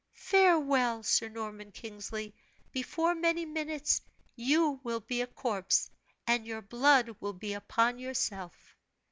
Farewell, Sir Norman Kingsley; before many minutes you will be a corpse, and your blood be upon yourself!"